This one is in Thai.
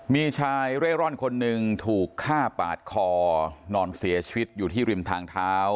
มีชายเร่ร่อนคนหนึ่งถูกฆ่าปาดคอนอนเสียชีวิตอยู่ที่ริมทางเท้า